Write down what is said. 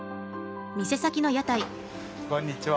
こんにちは。